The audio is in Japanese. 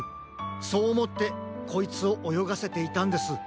そうおもってこいつをおよがせていたんです。